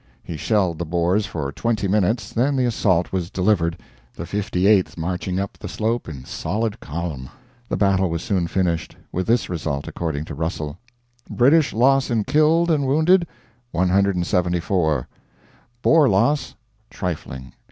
He shelled the Boers for twenty minutes, then the assault was delivered, the 58th marching up the slope in solid column. The battle was soon finished, with this result, according to Russell British loss in killed and wounded, 174. Boer loss, "trifling."